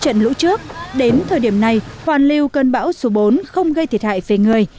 trận lũ trước đến thời điểm này hoàn lưu cơn bão số bốn không gây thiệt hại về người